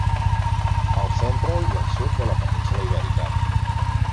Al centre i el sud de la península Ibèrica.